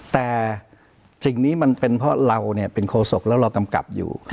แต่สิ่งนี้มันเป็นเพราะเราเป็นโคศกแล้วเรากำกับอยู่